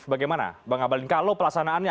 bagaimana bang abalin kalau pelaksanaannya